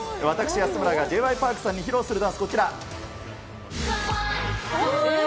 私、安村がＪ．Ｙ．Ｐａｒｋさんに披露するダンス、こちら。